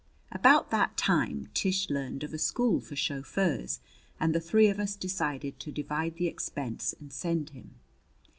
About that time Tish learned of a school for chauffeurs, and the three of us decided to divide the expense and send him.